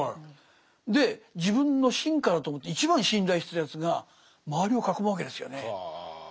で自分の臣下だと思って一番信頼してたやつが周りを囲むわけですよね。は。